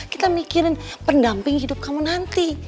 kita mikirin pendamping hidup kamu nanti